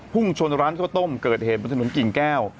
ชนร้านข้าวต้มเกิดเหตุบนถนนกิ่งแก้ว